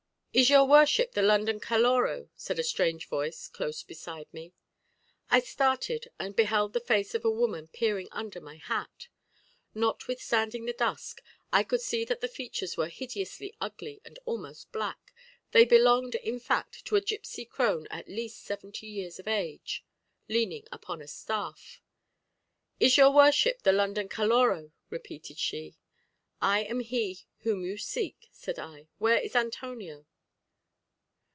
"Is your worship the London Caloró?" said a strange voice close beside me. I started, and beheld the face of a woman peering under my hat. Notwithstanding the dusk, I could see that the features were hideously ugly and almost black; they belonged, in fact, to a gipsy crone at least seventy years of age, leaning upon a staff. "Is your worship the London Caloró?" repeated she. "I am he whom you seek," said I; "where is Antonio?"